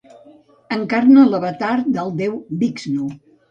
Encarna l'avatar del déu Vixnu.